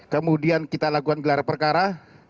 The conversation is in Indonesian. kemudian kita lakukan gelar perkara